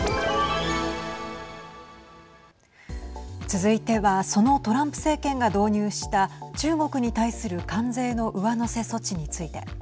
続いてはそのトランプ政権が導入した中国に対する関税の上乗せ措置について。